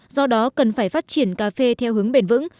do đó cần phải phát triển cà phê theo hướng bền vững